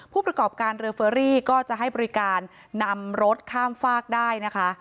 ผู้ประกอบการเรือเฟอรี่ก็จะให้บริการนำรถข้ามฝากได้นะคะ